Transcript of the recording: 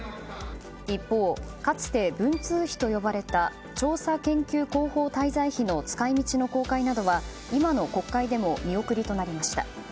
一方、かつて文通費と呼ばれた調査研究広報滞在費の使い道の公開などは今の国会でも見送りとなりました。